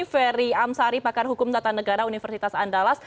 ferry amsari pakar hukum tata negara universitas andalas